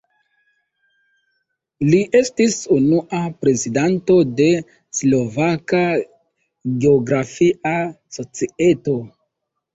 Li estis unua prezidanto de Slovaka geografia societo.